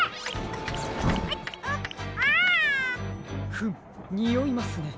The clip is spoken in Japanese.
フムにおいますね。